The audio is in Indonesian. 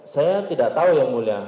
saya tidak tahu yang mulia